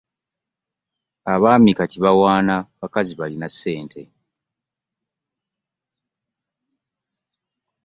Abaami kati balwana bakazi balina ssente.